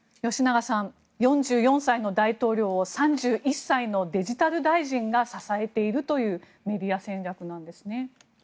吉永さん４４歳の大統領を３１歳のデジタル大臣が支えているというメディア戦略なんですね。